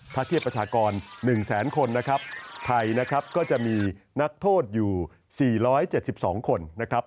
ถ้าเทียบประชากร๑แสนคนนะครับไทยนะครับก็จะมีนักโทษอยู่๔๗๒คนนะครับ